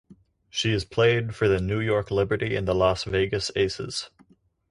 She has played for the New York Liberty and the Las Vegas Aces.